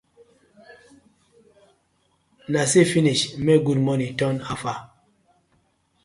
Na see finish make “good morning” turn “how far”: